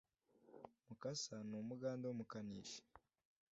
Mukasa numugande wumukanishi